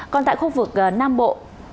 còn tại khu vực nam bộ